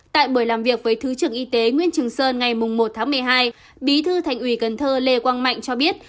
tại buổi làm việc với thứ trưởng y tế nguyễn trường sơn ngày một tháng một mươi hai bí thư thành ủy cần thơ lê quang mạnh cho biết